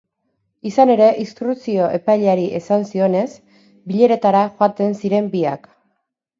Izan ere, instrukzio epaileari esan zionez, bileretara joaten ziren biak.